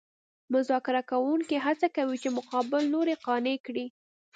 مذاکره کوونکي هڅه کوي چې مقابل لوری قانع کړي